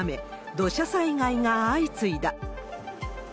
土砂災害が相次いだ。